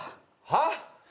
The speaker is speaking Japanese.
はっ？